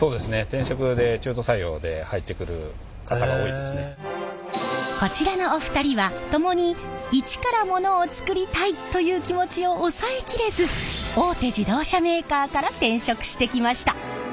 転職でこちらのお二人はともに一からモノを作りたいという気持ちを抑え切れず大手自動車メーカーから転職してきました。